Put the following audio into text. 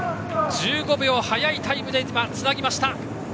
１５秒早いタイムでつなぎました。